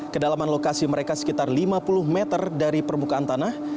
kedalaman lokasi mereka sekitar lima puluh meter dari permukaan tanah